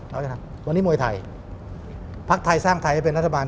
เขาจะทำวันนี้มวยไทยพักไทยสร้างไทยให้เป็นรัฐบาล